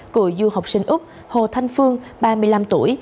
cựu du học sinh úc hồ thanh phương ba mươi năm tuổi